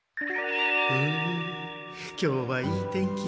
うん今日はいい天気ですね。